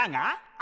あ！